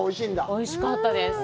おいしかったです。